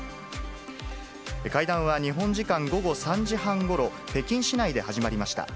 会談は日本時間午後３時半ごろ、北京市内で始まりました。